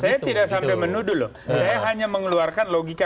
saya tidak sampai menuduh loh saya hanya mengeluarkan logika